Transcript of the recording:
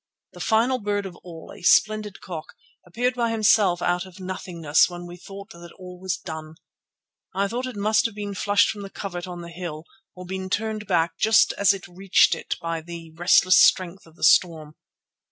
The final bird of all, a splendid cock, appeared by himself out of nothingness when we thought that all was done. I think it must have been flushed from the covert on the hill, or been turned back just as it reached it by the resistless strength of the storm.